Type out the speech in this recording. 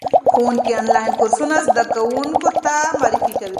ښوونکي آنلاین کورسونه زده کوونکو ته معرفي کوي.